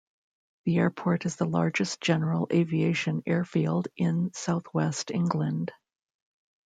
The airport is the largest general aviation airfield in South West England.